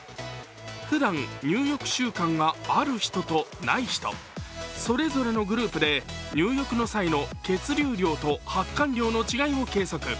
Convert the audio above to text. ふだん、入浴習慣がある人とない人、それぞれのグループで入浴の際の血流量と発汗量の違いを計測。